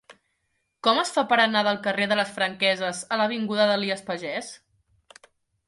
Com es fa per anar del carrer de les Franqueses a l'avinguda d'Elies Pagès?